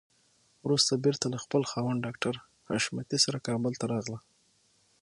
وروسته بېرته له خپل خاوند ډاکټر حشمتي سره کابل ته راغله.